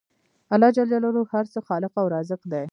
الله ج د هر څه خالق او رازق دی